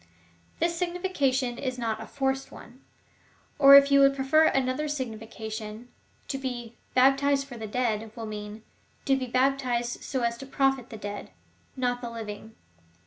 This signification is not a forced one. Or if you would prefer another significa tion, to be baptized for the dead will mean — to be baptized so as to profit the dead — not the living.